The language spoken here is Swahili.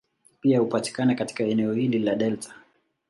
Pia hupatikana katika eneo hili la delta.